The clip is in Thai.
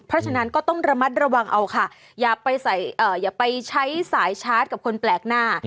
เพราะฉะนั้นก็ต้องระมัดระวังเอาค่ะอย่าไปอย่าไปใช้สายชาร์จกับคนแปลกหน้า